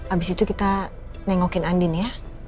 abis itu kita nengokin andin ya